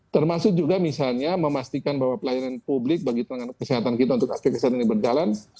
termasuk juga misalnya memastikan bahwa pelayanan publik bagi tenaga kesehatan kita untuk aspek kesehatan ini berjalan